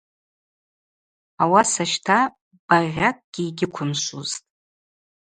Ауаса щта багъьакӏгьи йгьыквымшвузтӏ.